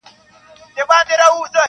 • ستړی کړی مي خپل ځان کور په راحت دی -